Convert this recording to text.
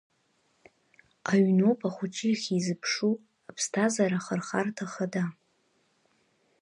Аҩноуп ахәыҷы иахьизыԥшу аԥсҭазаара ахырхарҭа хада.